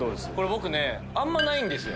僕ねあんまないんですよ。